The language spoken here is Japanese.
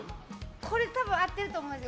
これ、合ってると思うんです。